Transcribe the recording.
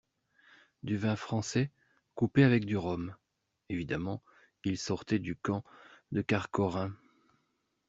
Du vin français, coupé avec du rhum. Évidemment, il sortait du camp de Kharkhorin…